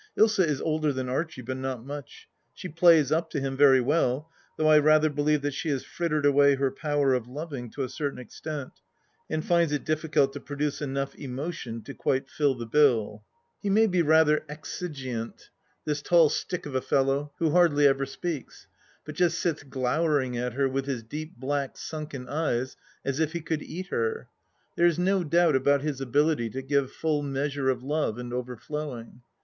Ilsa is older than Archie, but not much. She plays up to him very well, though I rather believe that she has frittered away her power of loving to a certain extent, and finds it difficult to produce enough emotion to quite fill the bill. 178 THE LAST DITCH 179 He may be rather exigeant, this tall stick of a fellow who hardly ever speaks, but just sits glowering at her with his deep black sunken eyes as if he could eat her. There is no doubt about his ability to give full measure of love and overflowing.